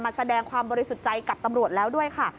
แสดงความบริสุทธิ์ใจกับตำรวจแล้วด้วยค่ะ